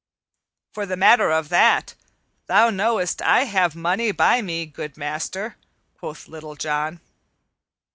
"For the matter of that, thou knowest I have money by me, good master," quoth Little John.